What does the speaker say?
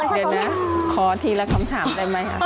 เดี๋ยวนะขอทีละคำถามได้ไหม